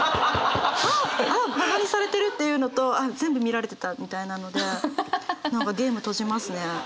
「あっバカにされてる」っていうのと「全部見られてた」みたいなので何かゲーム閉じますね。